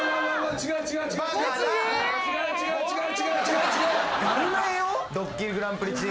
違う違う違う違う。